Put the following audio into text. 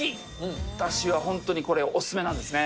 私は本当にこれ、お勧めなんですね。